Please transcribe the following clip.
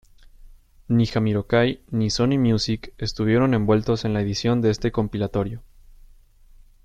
Ni Jamiroquai ni Sony Music estuvieron envueltos en la edición de este compilatorio.